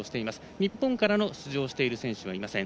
日本からの出場している選手はいません。